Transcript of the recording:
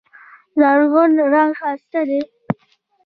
زرغون رنګ ښایسته دی.